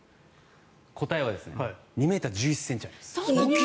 答えは２ｍ１１ｃｍあります。